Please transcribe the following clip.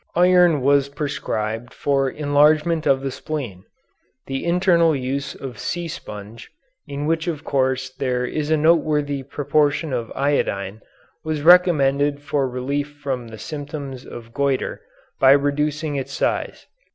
Iron was prescribed for enlargement of the spleen. The internal use of sea sponge, in which of course there is a noteworthy proportion of iodine, was recommended for relief from the symptoms of goitre by reducing its size.